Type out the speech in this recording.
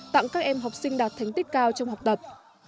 tặng các em học sinh đạt thành tích cao trong học tập